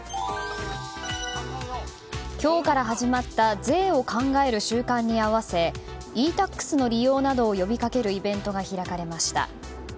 今日から始まった税を考える週間に合わせｅ‐Ｔａｘなどの利用を呼びかけるイベントが開かれました。